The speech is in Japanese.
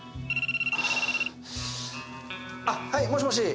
ああはいもしもし。